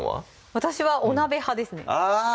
私はお鍋派ですねあっ